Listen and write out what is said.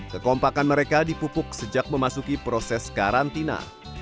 kekompakan mereka dipupuk sejak memasuki proses karantina